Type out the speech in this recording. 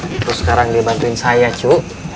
terus sekarang dia bantuin saya cu